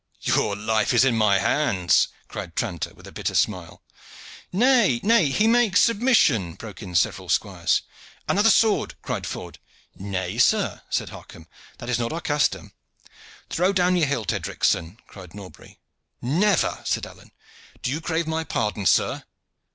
"Your life is in my hands!" cried Tranter, with a bitter smile. "Nay, nay, he makes submission!" broke in several squires. "Another sword!" cried Ford. "Nay, sir," said Harcomb, "that is not the custom." "Throw down your hilt, Edricson," cried Norbury. "Never!" said Alleyne. "Do you crave my pardon, sir?"